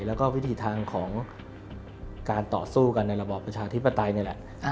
แล้วก็วิธีทางของการต่อสู้กันในระบอบประชาธิปไตยนี่แหละ